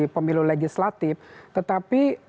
pemilu legislatif tetapi